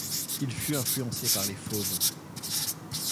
Il fut influencé par les fauves.